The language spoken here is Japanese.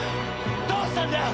どうしたんだよ？